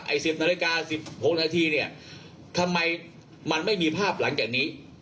สิบนาฬิกาสิบหกนาทีเนี่ยทำไมมันไม่มีภาพหลังจากนี้